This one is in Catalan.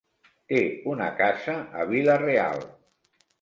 Té una casa a Vila-real.